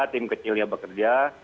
tim kecilnya bekerja